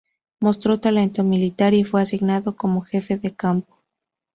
Mostró talento militar y fue asignado como jefe de campo.